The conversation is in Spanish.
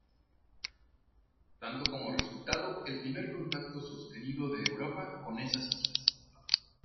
Dando como resultado el primer contacto sostenido de Europa con esas islas.